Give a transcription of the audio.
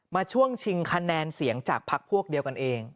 ช่วงชิงคะแนนเสียงจากพักพวกเดียวกันเอง